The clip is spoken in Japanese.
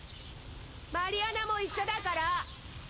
マリアナも一緒だから。